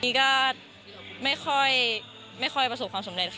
นี่ก็ไม่ค่อยประสบความสำเร็จค่ะ